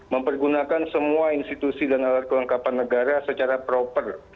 mempergunakan semua institusi dan alat kelengkapan negara secara proper